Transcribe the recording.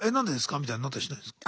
みたいになったりしないんですか？